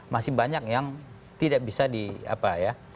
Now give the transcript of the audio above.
masih banyak yang tidak bisa di apa ya